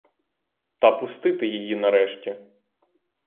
Та пусти ти її, нарешті!